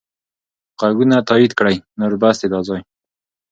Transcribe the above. ږغونه تایید کړئ نور بس دی دا ځای.